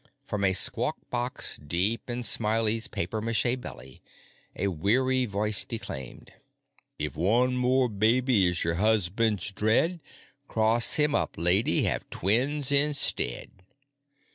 From a squawk box deep in Smiley's papier mâché belly, a weary voice declaimed: "If one more baby is your husband's dread, Cross him up, lady. Have twins instead!"